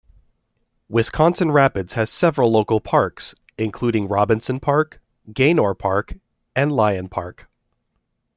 Wisconsin Rapids has several local parks, including Robinson Park, Gaynor Park, and Lyon Park.